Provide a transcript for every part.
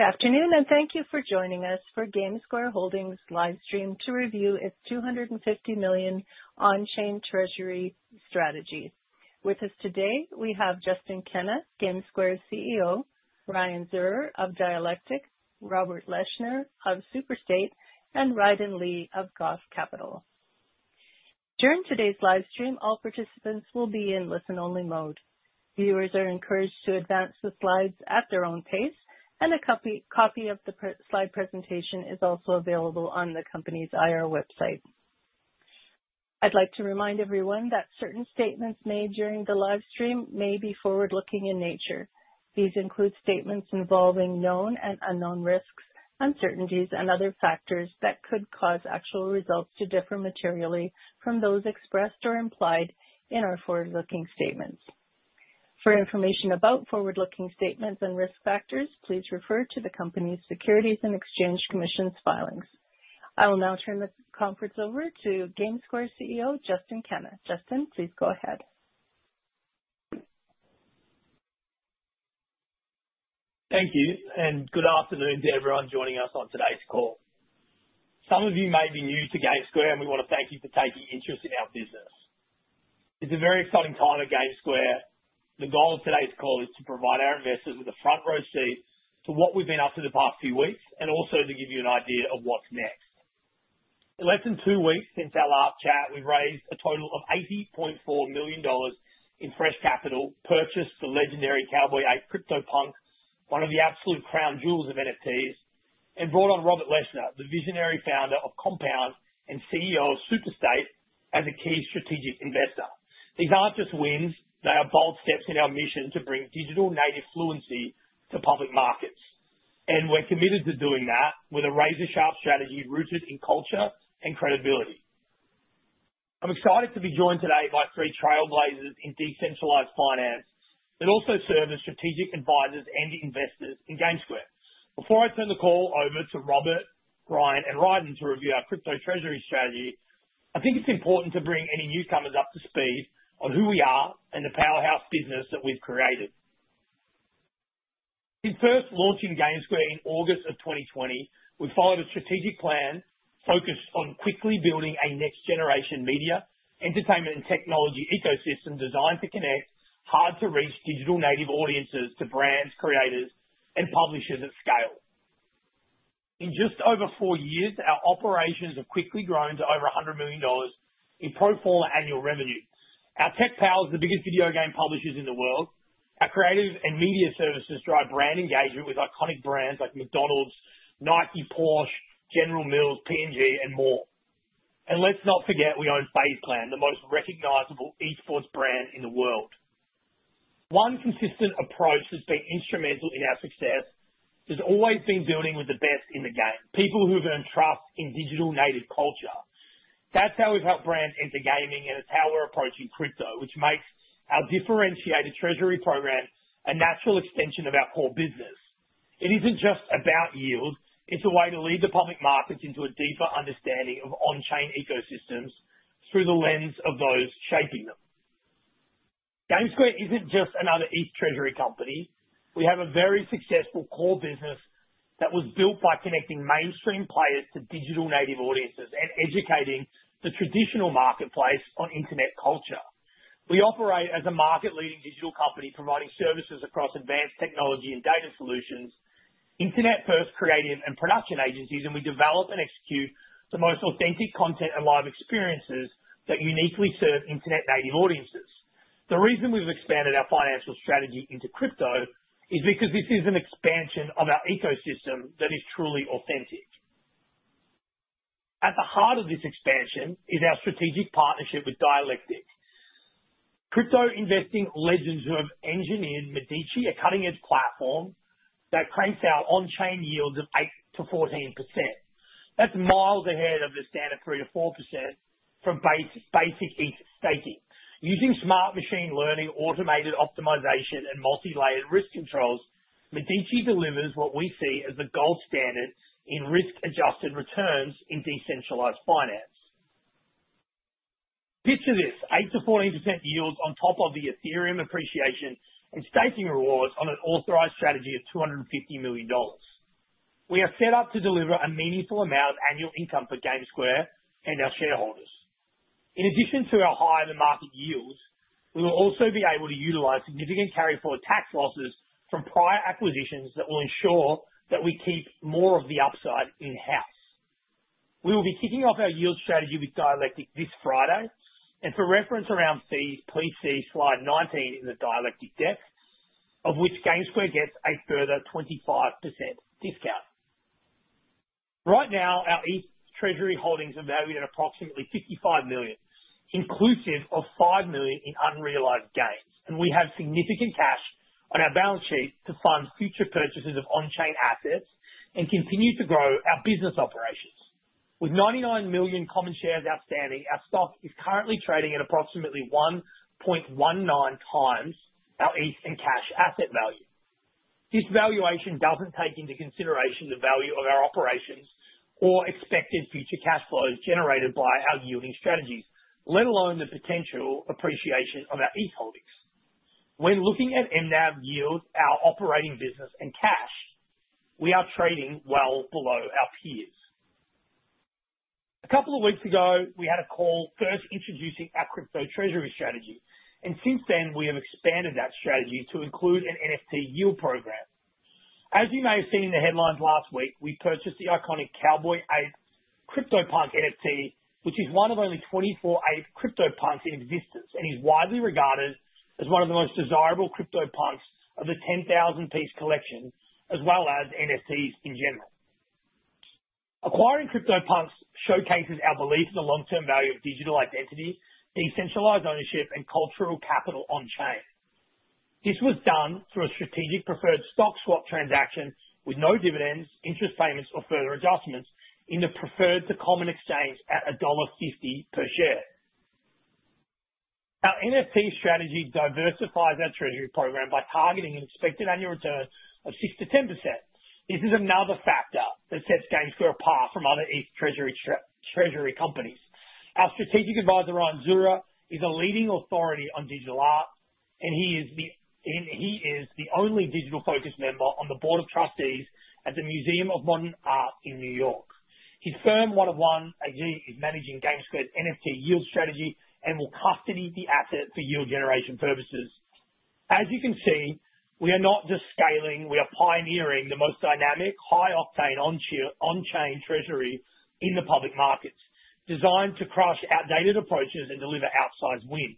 Good afternoon and thank you for joining us for GameSquare Holdings' livestream to review its $250 million on-chain treasury strategy. With us today, we have Justin Kenna, GameSquare's CEO, Ryan Zurer of Dialectic, Robert Leshner of Superstate, and Rhydon Lee of Goff Capital. During today's livestream, all participants will be in listen-only mode. Viewers are encouraged to advance the slides at their own pace, and a copy of the slide presentation is also available on the company's IR website. I'd like to remind everyone that certain statements made during the livestream may be forward-looking in nature. These include statements involving known and unknown risks, uncertainties, and other factors that could cause actual results to differ materially from those expressed or implied in our forward-looking statements. For information about forward-looking statements and risk factors, please refer to the company's Securities and Exchange Commission filings. I will now turn the conference over to GameSquare CEO Justin Kenna. Justin, please go ahead. Thank you, and good afternoon to everyone joining us on today's call. Some of you may be new to GameSquare, and we want to thank you for taking interest in our business. It's a very exciting time at GameSquare. The goal of today's call is to provide our investors with a front-row seat for what we've been up to the past few weeks, and also to give you an idea of what's next. It's less than two weeks since our last chat. We've raised a total of $80.4 million in fresh capital, purchased the legendary “Cowboy 8” CryptoPunk, one of the absolute crown jewels of NFTs, and brought on Robert Leshner, the visionary founder of Compound and CEO of Superstate and the key strategic investor. These aren't just wins; they are bold steps in our mission to bring digital native fluency to public markets. We're committed to doing that with a razor-sharp strategy rooted in culture and credibility. I'm excited to be joined today by three trailblazers in decentralized finance that also serve as strategic advisors and investors in GameSquare. Before I turn the call over to Robert, Ryan, and Rhydon to review our crypto treasury strategy, I think it's important to bring any newcomers up to speed on who we are and the powerhouse business that we've created. In first launching GameSquare in August of 2020, we followed a strategic plan focused on quickly building a next-generation media entertainment and technology ecosystem designed to connect hard-to-reach digital native audiences to brands, creators, and publishers at scale. In just over four years, our operations have quickly grown to over $100 million in pro forma annual revenue. Our tech powers the biggest video game publishers in the world. Our creative and media services drive brand engagement with iconic brands like McDonald’s, Nike, Porsche, General Mills, Procter & Gamble, and more. Let's not forget we own FaZe Clan Esports, the most recognizable esports brand in the world. One consistent approach that's been instrumental in our success has always been building with the best in the game, people who've earned trust in digital native culture. That's how we've helped brands enter gaming, and it's how we're approaching crypto, which makes our differentiated treasury program a natural extension of our core business. It isn't just about yield; it's a way to lead the public markets into a deeper understanding of on-chain ecosystems through the lens of those shaping them. GameSquare isn't just another eTreasury company. We have a very successful core business that was built by connecting mainstream players to digital native audiences and educating the traditional marketplace on internet culture. We operate as a market-leading digital company, providing services across advanced technology and data solutions, internet-first creative and production agencies, and we develop and execute the most authentic content and live experiences that uniquely serve internet-native audiences. The reason we've expanded our financial strategy into crypto is because this is an expansion of our ecosystem that is truly authentic. At the heart of this expansion is our strategic partnership with Dialectic. Crypto investing legends who have engineered Medici, a cutting-edge platform that cranks out on-chain yields of 8% to 14%. That's miles ahead of the standard 3% to 4% from basic staking. Using smart machine learning, automated optimization, and multi-layered risk controls, Medici delivers what we see as the gold standard in risk-adjusted returns in decentralized finance. Picture this: 8%-14% yield on top of the Ethereum appreciation and staking rewards on an authorized strategy of $250 million. We are set up to deliver a meaningful amount of annual income for GameSquare and our shareholders. In addition to our higher-than-market yields, we will also be able to utilize significant carryforward tax losses from prior acquisitions that will ensure that we keep more of the upside in-house. We will be kicking off our yield strategy with Dialectic this Friday. For reference around fees, please see slide 19 in the Dialectic deck, of which GameSquare gets a further 25% discount. Right now, our eTreasury holdings are valued at approximately $55 million, inclusive of $5 million in unrealized gains. We have significant cash on our balance sheet to fund future purchases of on-chain assets and continue to grow our business operations. With 99 million common shares outstanding, our stock is currently trading at approximately 1.19 times our ETH and cash asset value. This valuation doesn't take into consideration the value of our operations or expected future cash flows generated by our yielding strategies, let alone the potential appreciation of our ETH holdings. When looking at end-to-end yield, our operating business, and cash, we are trading well below our peers. A couple of weeks ago, we had a call first introducing our crypto treasury strategy. Since then, we have expanded that strategy to include an NFT yield program. As you may have seen in the headlines last week, we purchased the iconic “Cowboy 8” CryptoPunk NFT, which is one of only 24 8 CryptoPunks in existence and is widely regarded as one of the most desirable CryptoPunks of the 10,000-piece collection, as well as NFTs in general. Acquiring CryptoPunks showcases our belief in the long-term value of digital identity, decentralized ownership, and cultural capital on-chain. This was done through a strategic preferred stock swap transaction with no dividends, interest payments, or further adjustments in the preferred to common exchange at $1.50 per share. Our NFT strategy diversifies our treasury program by targeting an expected annual return of 6% to 10%. This is another factor that sets GameSquare apart from other eTreasury companies. Our Strategic Advisor, Ryan Zurer, is a leading authority on digital art, and he is the only digital-focused member on the Board of Trustees at the Museum of Modern Art in New York. His firm 101XG is managing GameSquare's NFT yield strategy and will custody the asset for yield generation purposes. As you can see, we are not just scaling, we are pioneering the most dynamic, high-octane on-chain treasury in the public markets, designed to crush outdated approaches and deliver outsized wins.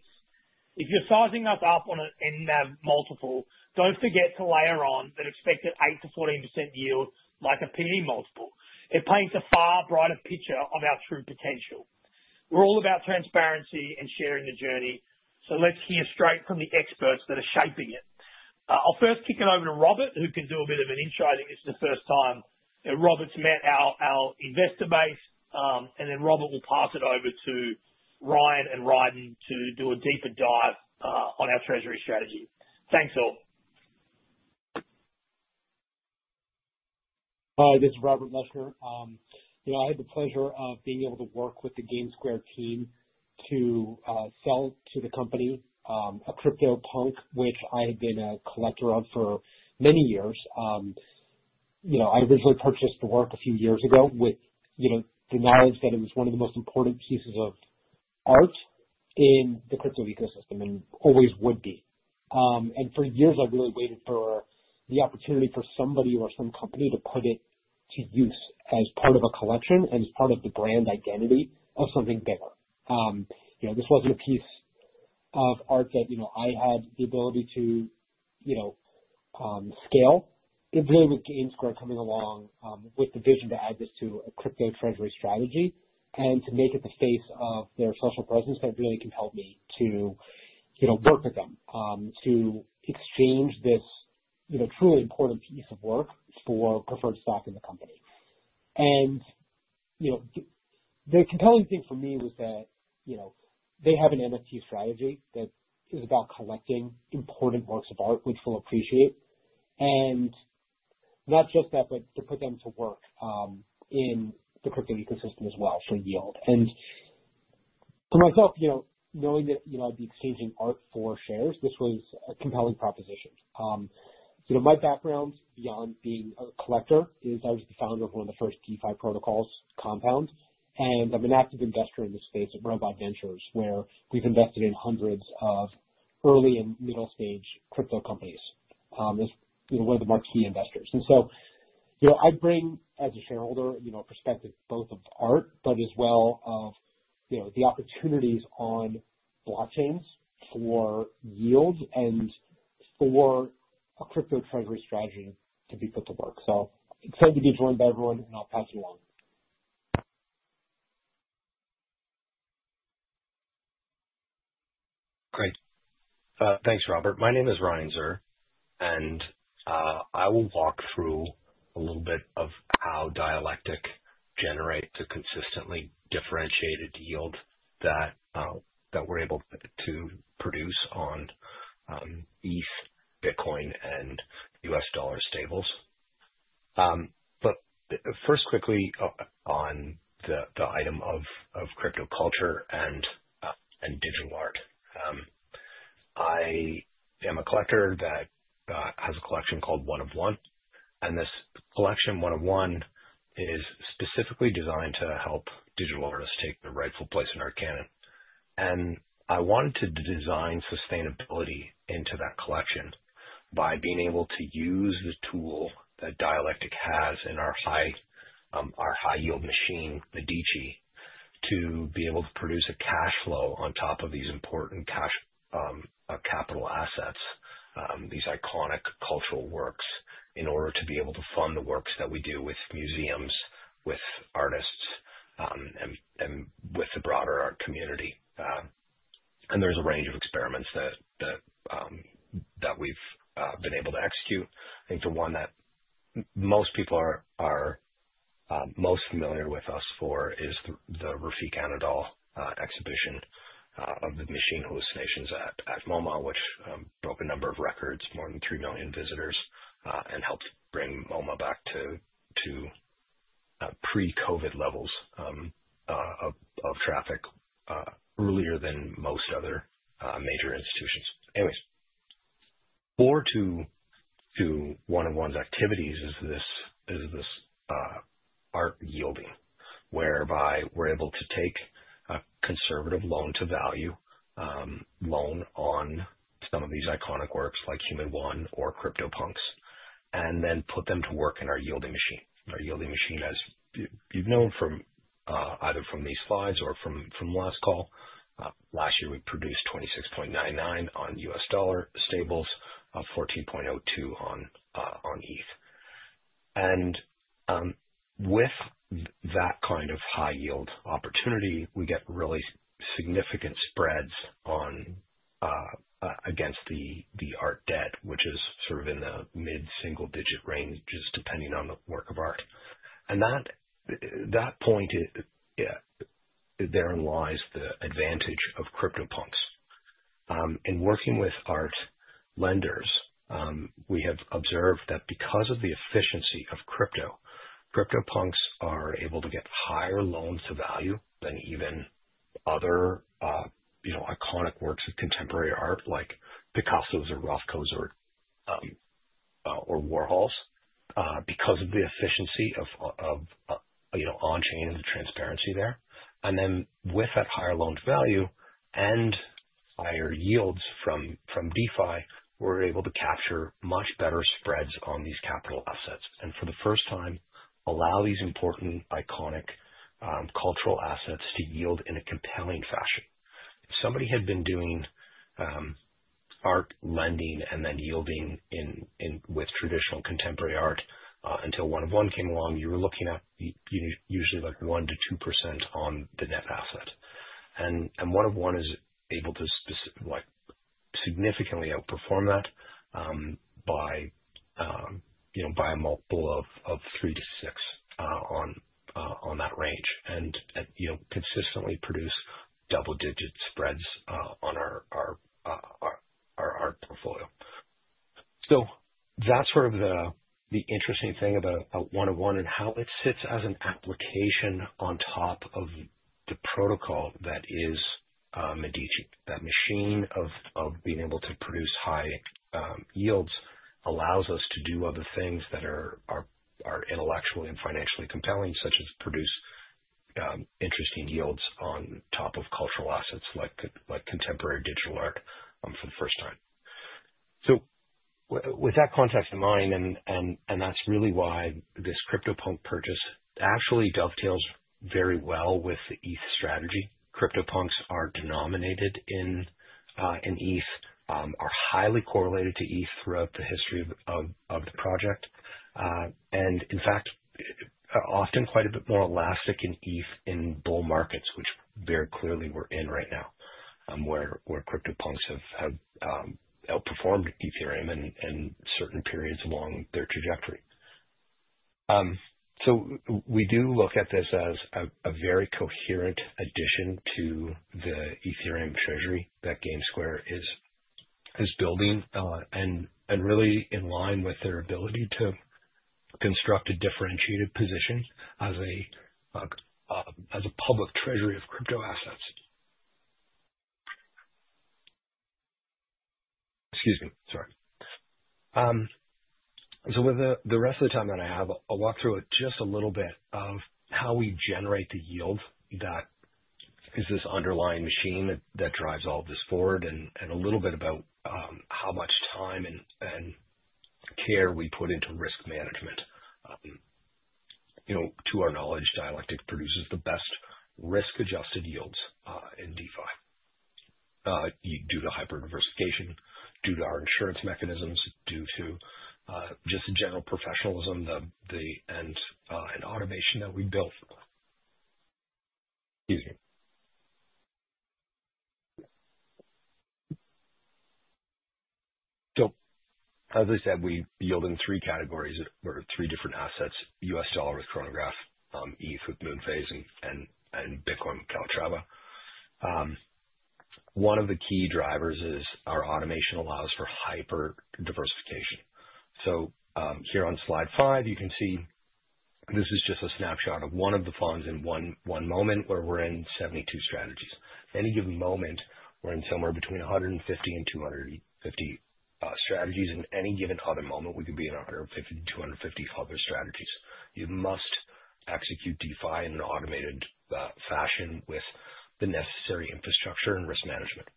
If you're sizing us up on an end-to-end multiple, don't forget to layer on that expected 8% to 14% yield, like a picking multiple. It paints a far brighter picture of our true potential. We're all about transparency and sharing the journey, so let's hear straight from the experts that are shaping it. I'll first kick it over to Robert, who can do a bit of an intro. I think this is the first time that Robert's met our investor base, and then Robert will pass it over to Ryan and Rhydon to do a deeper dive on our treasury strategy. Thanks, all. Hi, this is Robert Leshner. I had the pleasure of being able to work with the GameSquare team to sell to the company a CryptoPunk, which I had been a collector of for many years. I originally purchased the work a few years ago with the knowledge that it was one of the most important pieces of art in the crypto ecosystem and always would be. For years, I really waited for the opportunity for somebody or some company to put it to use as part of a collection and as part of the brand identity of something bigger. This wasn't a piece of art that I had the ability to scale. It really was GameSquare coming along with the vision to add this to a crypto treasury strategy and to make it the face of their social presence that really can help me to work with them, to exchange this truly important piece of work for preferred stock in the company. The compelling thing for me was that they have an NFT strategy that is about collecting important works of art, which will appreciate. Not just that, but to put them to work in the crypto ecosystem as well for yield. For myself, knowing that I'd be exchanging art for shares, this was a compelling proposition. My background, beyond being a collector, is I was the founder of one of the first DeFi protocols, Compound. I'm an active investor in the space at Robot Ventures, where we've invested in hundreds of early and middle-stage crypto companies as one of the marquee investors. I bring, as a shareholder, a perspective both of art, but as well of the opportunities on blockchains for yield and for a crypto treasury strategy to be put to work. Excited to be joined by everyone, and I'll pass it along. Great. Thanks, Robert. My name is Ryan Zurer, and I will walk through a little bit of how Dialectic generates a consistently differentiated yield that we're able to produce on ETH, Bitcoin, and U.S. dollar stables. First, quickly, on the item of crypto culture and digital art. I am a collector that has a collection called 101. This collection, 101, is specifically designed to help digital artists take their rightful place in our canon. I wanted to design sustainability into that collection by being able to use the tool that Dialectic has on our side, our high-yield machine, Medici, to be able to produce a cash flow on top of these important capital assets, these iconic cultural works, in order to be able to fund the works that we do with museums, with artists, and with the broader art community. There's a range of experiments that we've been able to execute. I think the one that most people are most familiar with us for is the Rafiq Anadol exhibition of the Machine Hallucinations at MOMA, which broke a number of records, more than 3 million visitors, and helped bring MOMA back to pre-COVID levels of traffic earlier than most other major institutions. Forward to 101's activities is this art yielding, whereby we're able to take a conservative loan-to-value loan on some of these iconic works like Human 1 or CryptoPunks, and then put them to work in our yielding machine. Our yielding machine, as you've known from either these slides or from last call, last year we produced 26.99% on U.S. dollar stables, 14.02% on ETH. With that kind of high-yield opportunity, we get really significant spreads against the art debt, which is in the mid-single-digit range, just depending on the work of art. That point is that therein lies the advantage of CryptoPunks. In working with art lenders, we have observed that because of the efficiency of CryptoPunks, they are able to get higher loans to value than even other iconic works of contemporary art like Picassos or Rothkos or Warhols, because of the efficiency of on-chain and the transparency there. With that higher loan to value and higher yields from DeFi, we're able to capture much better spreads on these capital assets and for the first time allow these important iconic cultural assets to yield in a compelling fashion. If somebody had been doing art lending and then yielding in with traditional contemporary art, until 101 came along, you were looking at usually like 1%-2% on the net asset. 101 is able to specifically significantly outperform that by a multiple of 3%-6% on that range, and consistently produce double-digit spreads on our art portfolio. That's sort of the interesting thing about 101 and how it sits as an application on top of the protocol that is Medici. That machine of being able to produce high yields allows us to do other things that are intellectually and financially compelling, such as produce interesting yields on top of cultural assets like contemporary digital art for the first time. With that context in mind, that's really why this CryptoPunk purchase actually dovetails very well with the ETH strategy. CryptoPunks are denominated in ETH, are highly correlated to ETH throughout the history of the project, and in fact, often quite a bit more elastic in ETH in bull markets, which very clearly we're in right now, where CryptoPunks have outperformed Ethereum in certain periods along their trajectory. We do look at this as a very coherent addition to the Ethereum treasury that GameSquare is building, and really in line with their ability to construct a differentiated position as a public treasury of crypto assets. Excuse me. Sorry. With the rest of the time that I have, I'll walk through just a little bit of how we generate the yield that is this underlying machine that drives all of this forward and a little bit about how much time and care we put into risk management. To our knowledge, Dialectic produces the best risk-adjusted yields in DeFi due to hyper-diversification, due to our insurance mechanisms, due to just the general professionalism and automation that we've built for. Excuse me. As I said, we yield in three categories or three different assets: US dollar with Chronograph, ETH with Moonphase, and Bitcoin with Polytrava. One of the key drivers is our automation allows for hyper-diversification. Here on slide five, you can see this is just a snapshot of one of the funds in one moment where we're in 72 strategies. At any given moment, we're in somewhere between 150 and 250 strategies. In any given other moment, we could be in 150 to 250 other strategies. You must execute DeFi in an automated fashion with the necessary infrastructure and risk management.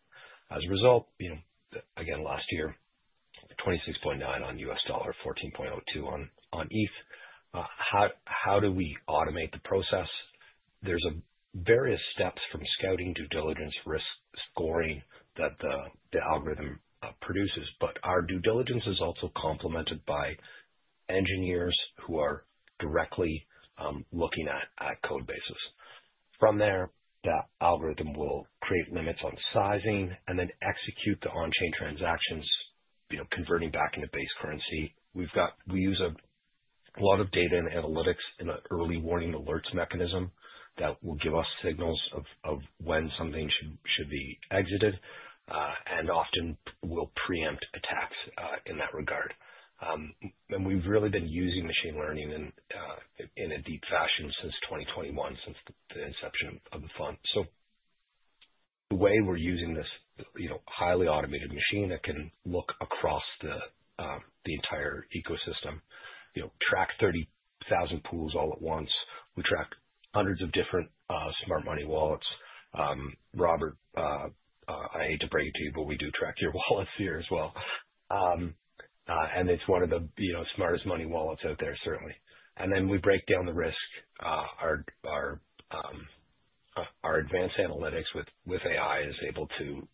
As a result, last year, 26.9% on US dollar, 14.02% on ETH. How do we automate the process? There's various steps from scouting, due diligence, risk scoring that the algorithm produces. Our due diligence is also complemented by engineers who are directly looking at code bases. From there, the algorithm will create limits on sizing and then execute the on-chain transactions, converting back into base currency. We use a lot of data and analytics in an early warning alerts mechanism that will give us signals of when something should be exited, and often will preempt attacks in that regard. We've really been using machine learning in a deep fashion since 2021, since the inception of the fund. The way we're using this highly automated machine that can look across the entire ecosystem, track 30,000 pools all at once. We track hundreds of different smart money wallets. Robert, I hate to break it to you, but we do track your wallets here as well, and it's one of the smartest money wallets out there, certainly. Then we break down the risk. Our advanced analytics with AI is able to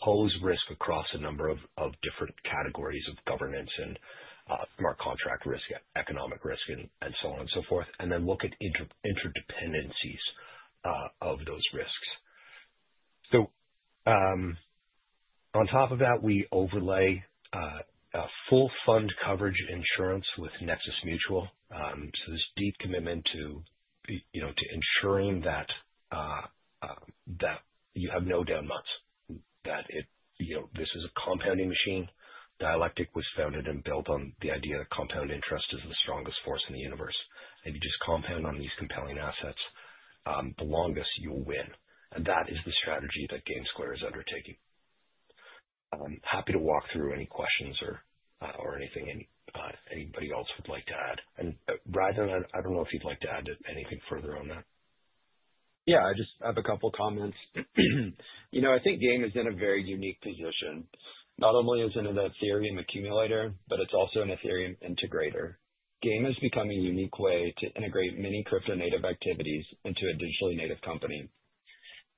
pose risk across a number of different categories of governance and from our contract risk, economic risk, and so on and so forth, and then look at interdependencies of those risks. On top of that, we overlay a full fund coverage insurance with Nexus Mutual. This deep commitment to ensuring that you have no down months, that it, this is a compounding machine. Dialectic was founded and built on the idea that compound interest is the strongest force in the universe. You just compound on these compelling assets, the longest you'll win. That is the strategy that GameSquare is undertaking. I'm happy to walk through any questions or anything anybody else would like to add. Rhydon, I don't know if you'd like to add anything further on that. Yeah, I just have a couple of comments. I think GameSquare is in a very unique position. Not only is it an Ethereum accumulator, but it's also an Ethereum integrator. GameSquare has become a unique way to integrate many crypto-native activities into a digitally native company.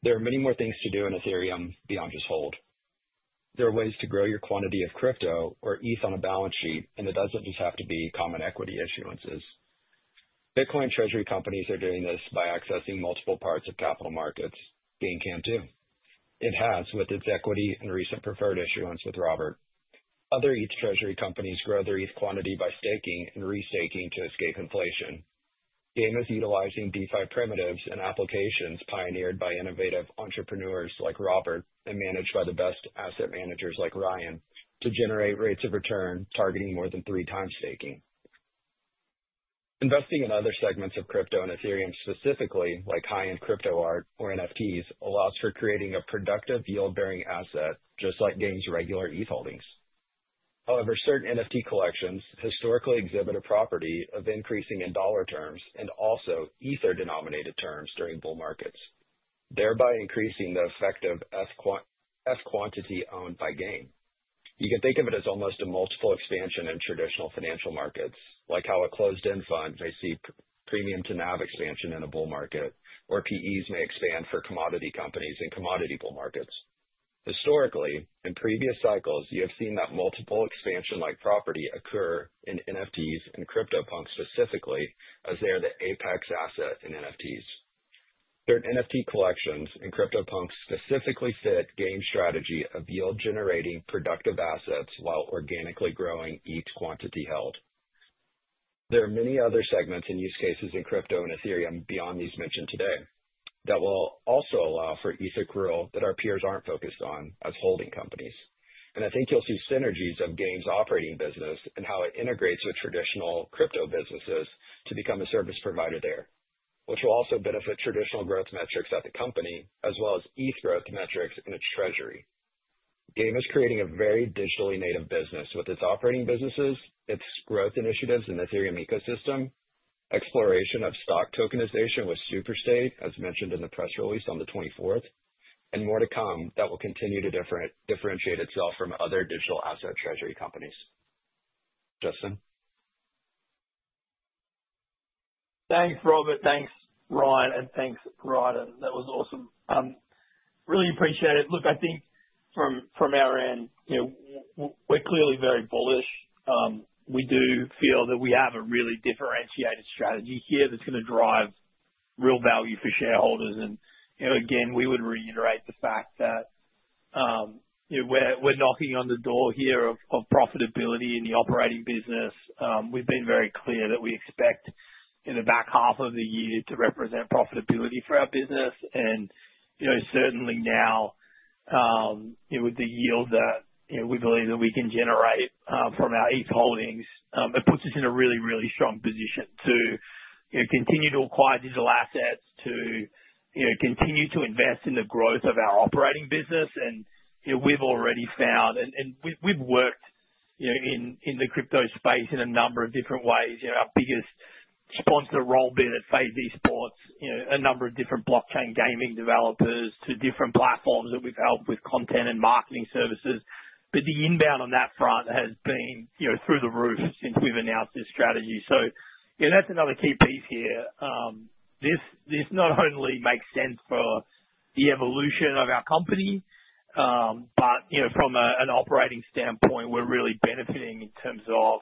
There are many more things to do in Ethereum beyond just hold. There are ways to grow your quantity of crypto or ETH on a balance sheet, and it doesn't just have to be common equity issuances. Bitcoin treasury companies are doing this by accessing multiple parts of capital markets. GameSquare can too. It has, with its equity and recent preferred issuance with Robert. Other ETH treasury companies grow their ETH quantity by staking and restaking to escape inflation. GameSquare is utilizing DeFi primitives and applications pioneered by innovative entrepreneurs like Robert Leshner and managed by the best asset managers like Ryan Zurer to generate rates of return targeting more than three times staking. Investing in other segments of crypto and Ethereum specifically, like high-end crypto art or NFTs, allows for creating a productive yield-bearing asset just like GameSquare's regular ETH holdings. However, certain NFT collections historically exhibit a property of increasing in dollar terms and also Ether-denominated terms during bull markets, thereby increasing the effective ETH quantity owned by Game. You can think of it as almost a multiple expansion in traditional financial markets, like how a closed-end fund may see premium to NAV expansion in a bull market, or PEs may expand for commodity companies in commodity bull markets. Historically, in previous cycles, you have seen that multiple expansion-like property occur in NFTs and CryptoPunks specifically as they are the apex asset in NFTs. Certain NFT collections and CryptoPunks specifically fit Game strategy of yield-generating productive assets while organically growing ETH quantity held. There are many other segments and use cases in crypto and Ethereum beyond these mentioned today that will also allow for Ether growth that our peers aren't focused on as holding companies. I think you'll see synergies of Game's operating business and how it integrates with traditional crypto businesses to become a service provider there, which will also benefit traditional growth metrics at the company, as well as ETH growth metrics in its treasury. Game is creating a very digitally native business with its operating businesses, its growth initiatives in the Ethereum ecosystem, exploration of stock tokenization with Superstate, as mentioned in the press release on the 24th, and more to come that will continue to differentiate itself from other digital asset treasury companies. Justin. Thanks, Robert. Thanks, Ryan, and thanks, Rhydon. That was awesome. Really appreciate it. Look, I think from our end, we're clearly very bullish. We do feel that we have a really differentiated strategy here that's going to drive real value for shareholders. Again, we would reiterate the fact that we're knocking on the door of profitability in the operating business. We've been very clear that we expect back half of the year to represent profitability for our business. Certainly now, with the yield that we believe that we can generate from our ETH holdings, it puts us in a really, really strong position to continue to acquire digital assets, to continue to invest in the growth of our operating business. We've already found, and we've worked in the crypto space in a number of different ways. Our biggest sponsor to roll bid at FaZe Clan Esports, a number of different blockchain gaming developers, different platforms that we've helped with content and marketing services. The inbound on that front has been through the roof since we've announced this strategy. That's another key piece here. This not only makes sense for the evolution of our company, but from an operating standpoint, we're really benefiting in terms of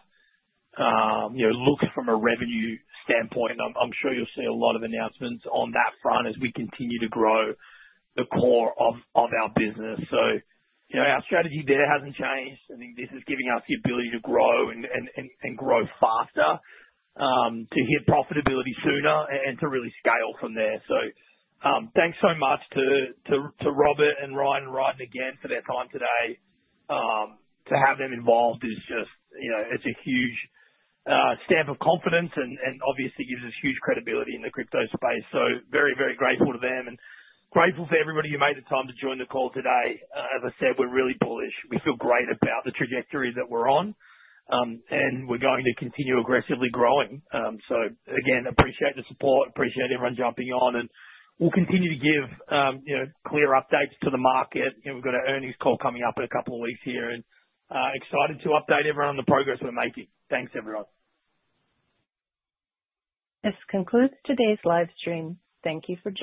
looks from a revenue standpoint. I'm sure you'll see a lot of announcements on that front as we continue to grow the core of our business. Our strategy there hasn't changed. I think this is giving us the ability to grow and grow faster, to hit profitability sooner and to really scale from there. Thanks so much to Robert and Ryan and Rhydon again for their time today. To have them involved is just a huge stamp of confidence and obviously gives us huge credibility in the crypto space. Very, very grateful to them and grateful for everybody who made the time to join the call today. As I said, we're really bullish. We feel great about the trajectory that we're on, and we're going to continue aggressively growing. Again, I appreciate the support. I appreciate everyone jumping on, and we'll continue to give clear updates to the market. We've got an earnings call coming up in a couple of weeks here, and excited to update everyone on the progress we're making. Thanks, everyone. This concludes today's livestream. Thank you for tuning in.